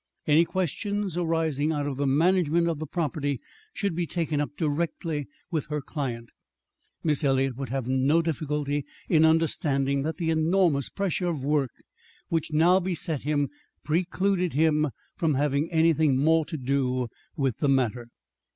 Any questions arising out of the management of the property should be taken up directly with her client. Miss Eliot would have no difficulty in understanding that the enormous pressure of work which now beset him precluded him from having anything more to do with the matter.